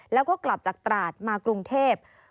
แล้วก็กลับจากตราดมากรุงเทพ